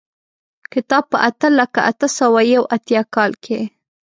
کتاب په اته لکه اته سوه یو اتیا کال کې.